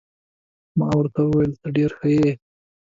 ما ورته وویل: ته ډېر ښه يې.